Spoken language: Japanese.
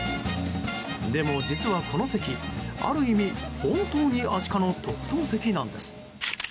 でも、実はこの席ある意味、本当にアシカの特等席なんです。